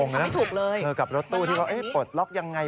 คุณครูสอนเปิดล็อกของรถตู้มันเป็นอย่างไร